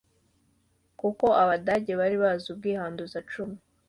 Kuko abadage bari bazi ubwihanduzacumu